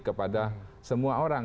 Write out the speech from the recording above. kepada semua orang